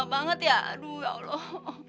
banget ya aduh ya allah